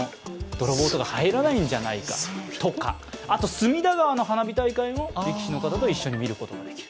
隅田川の花火大会も力士の方と一緒に見ることができる。